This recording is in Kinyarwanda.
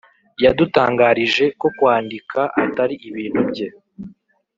yadutangarije ko kwandika atari ibintu bye